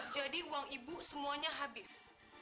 jadi uang ibu semuanya habis